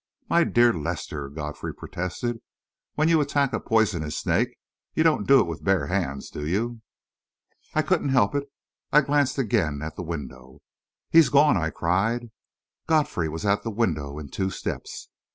"My dear Lester," Godfrey protested, "when you attack a poisonous snake, you don't do it with bare hands, do you?" I couldn't help it I glanced again at the window.... "He's gone!" I cried. Godfrey was at the window in two steps.